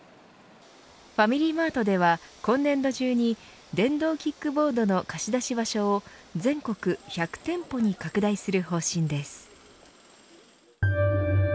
ファミリーマートでは今年度中に電動キックボードの貸出場所を全国１００店舗に拡大する方針です。